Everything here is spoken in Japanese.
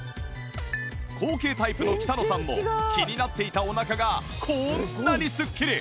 後傾タイプの北野さんも気になっていたお腹がこんなにスッキリ！